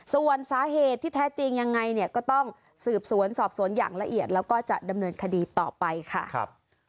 ส่วนสาเหตุที่แท้จริงยังไงเนี่ยก็ต้องสืบสวนสอบสวนอย่างละเอียดแล้วก็จะดำเนินคดีต่อไปค่ะ